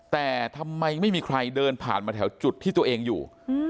แต่ทำไมไม่มีใครเดินผ่านมาแถวจุดที่ตัวเองอยู่